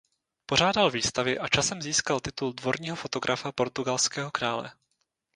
Pořádal výstavy a časem získal titul dvorního fotografa portugalského krále.